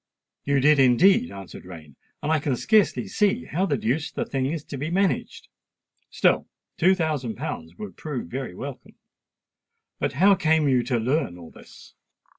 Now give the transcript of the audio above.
"You did indeed," answered Rain; "and I can scarcely see how the deuce the thing is to be managed. Still two thousand pounds would prove very welcome. But how came you to learn all this?"